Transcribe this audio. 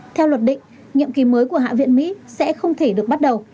theo luật định nhiệm kỳ mới của hạ viện mỹ sẽ không thể được bắt đầu